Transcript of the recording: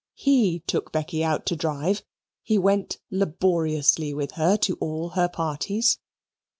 He took Becky out to drive; he went laboriously with her to all her parties.